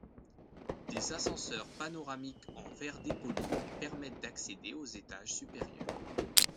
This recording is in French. Des ascenseurs panoramiques en verre dépoli permettent d'accéder aux étages supérieurs.